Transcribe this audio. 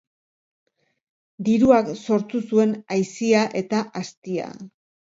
Diruak sortu zuen aisia eta astia.